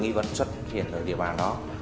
nghi vấn xuất hiện ở địa bàn đó